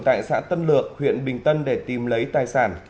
tại xã tân lược huyện bình tân để tìm lấy tài sản